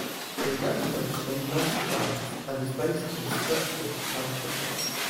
It represents many motor brands and is based in Stretford, Manchester.